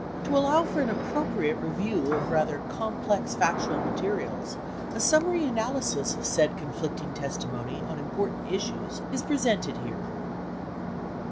To allow for an appropriate review of rather complex factual materials, a summary analysis of said con flicting testimony on important issues is presented here.